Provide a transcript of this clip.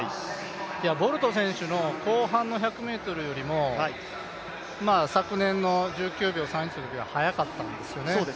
ボルト選手の後半の１００ｍよりも昨年の１９秒３１のときは速かったんですよね。